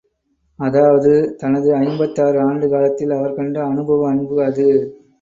அதாவது தனது ஐம்பத்தாறு ஆண்டு காலத்தில் அவர் கண்ட அனுபவ அன்பு அது.